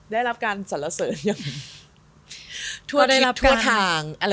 ได้รับการสรษะหรือยัง